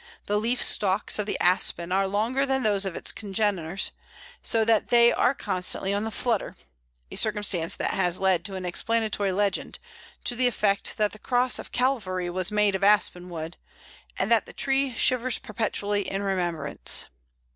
The leaf stalks of the Aspen are longer than those of its congeners, so that they are constantly on the flutter a circumstance that has led to an explanatory legend, to the effect that the cross of Calvary was made of Aspen wood, and that the tree shivers perpetually in remembrance.